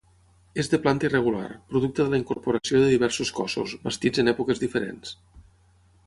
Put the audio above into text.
És de planta irregular, producte de la incorporació de diversos cossos, bastits en èpoques diferents.